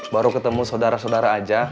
baru ketemu sodara sodara aja